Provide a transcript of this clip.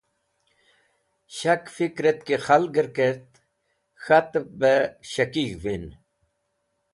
Shak fikrẽt ki khalgẽr kert k̃hatẽb bẽ shakig̃h win.